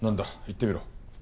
言ってみろ。